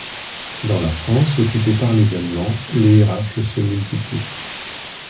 Dans la France occupée par les Allemands, les rafles se multiplient.